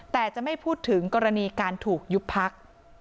แต่จะไม่พูดถึงกรณีการถูกยุบพัก